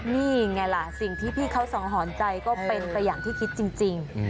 นี่ไงล่ะสิ่งที่พี่เขาสังหรณ์ใจก็เป็นไปอย่างที่คิดจริง